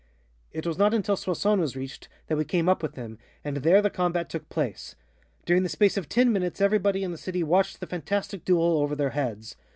"It was not until Soissons (swahs sohng) was reached that we came up with him, and there the combat took place. During the space of ten minutes everybody in the city watched the fantastic duel over their heads.